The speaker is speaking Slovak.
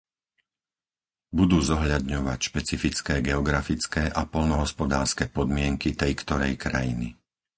Budú zohľadňovať špecifické geografické a poľnohospodárske podmienky tej-ktorej krajiny.